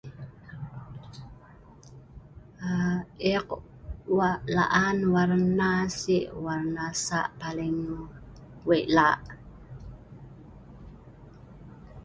Ek wei laan si warna(kala) , warna(kala) saa' paling (pelabi) wei laa'